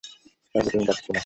তাহলে তুমি তাকে চেনো।